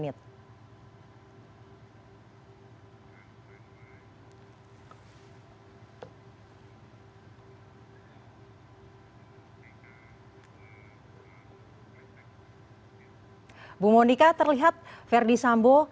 nah itu adalah video trinita untuk vid earned di patreon karena desk syndrome